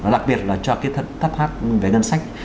đặc biệt là cho cái thất hát về ngân sách